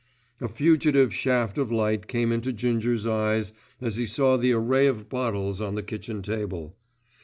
A fugitive shaft of light came into Ginger's eyes as he saw the array of bottles on the kitchen table.